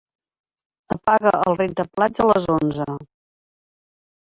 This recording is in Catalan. Apaga el rentaplats a les onze.